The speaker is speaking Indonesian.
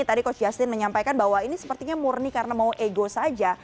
tadi coach justin menyampaikan bahwa ini sepertinya murni karena mau ego saja